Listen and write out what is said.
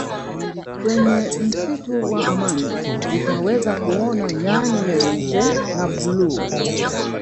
kwenye msitu wa amani utaweza kuona nyani weupe na bluu